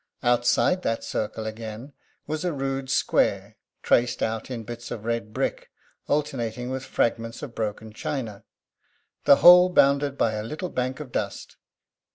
Outside that circle again was a rude square, traced out in bits of red brick alternating with fragments of broken china; the whole bounded by a little bank of dust.